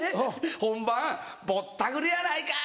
本番「ぼったくりやないかい！」